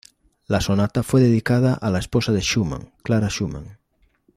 La sonata fue dedicada a la esposa de Schumann, Clara Schumann.